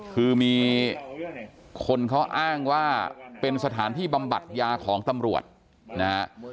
คือมีคนเขาอ้างว่าเป็นสถานที่บำบัดยาของตำรวจนะฮะ